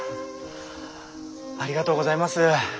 ありがとうございます。